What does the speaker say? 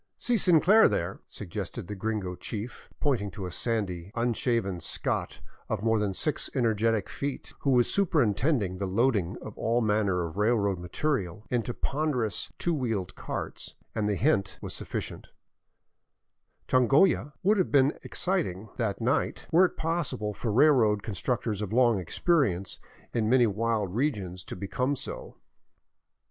" See Sinclair there," suggested the gringo chief, pointing to a sandy, unshaven Scot of more than six energetic feet, who was superintending the loading of all manner of railroad material into ponderous two wheeled carts ; and the hint was sufficient Changolla would have been excited that night were it possible for railroad constructors of long experience in many wild regions to be come so.